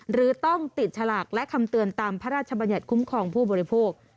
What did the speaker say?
หรือต้องติดฉลากและคำเตือนตามพระราชบัญญัติคุ้มครองผู้บริโภค